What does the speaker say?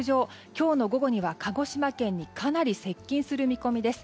今日の午後には鹿児島県にかなり接近する見込みです。